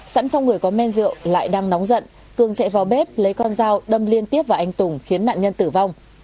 sẵn trong người có men rượu lại đang nóng giận cường chạy vào bếp lấy con dao đâm liên tiếp vào anh tùng khiến nạn nhân tử vong